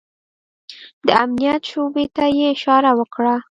د امنيت شعبې ته يې اشاره وکړه.